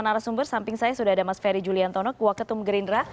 pada arah sumber samping saya sudah ada mas ferry julian tonok waketum gerindra